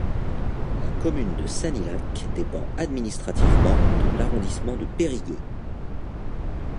La commune de Sanilhac dépend administrativement de l'arrondissement de Périgueux.